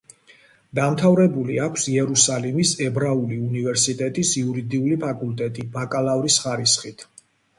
დამთავრებული აქვს იერუსალიმის ებრაული უნივერსიტეტის იურიდიული ფაკულტეტი ბაკალავრის ხარისხით.